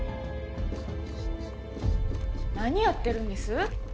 何やってるんです？